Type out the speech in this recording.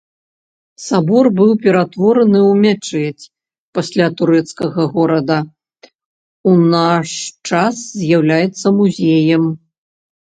Сабор быў пераўтвораны ў мячэць пасля турэцкага горада, у наш час з'яўляецца музеем.